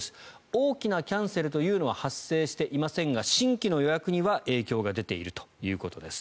大きなキャンセルというのは発生していませんが新規の予約には影響が出ているということです。